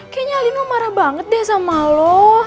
kayaknya lino marah banget deh sama lo